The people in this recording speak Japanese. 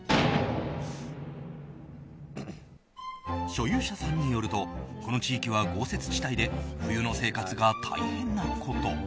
所有者さんによるとこの地域は豪雪地帯で冬の生活が大変なこと。